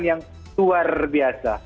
itu yang luar biasa